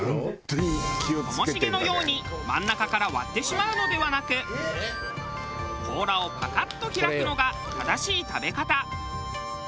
ともしげのように真ん中から割ってしまうのではなく甲羅をパカッと開くのが正しい食べ方。